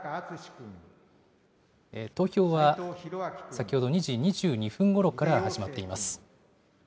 投票は、先ほど２時２２分ごろから始まっています。